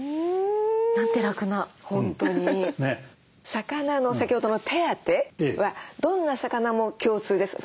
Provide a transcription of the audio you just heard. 魚の先ほどの手当てはどんな魚も共通ですか？